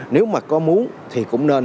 nếu mà có muốn thì cũng nên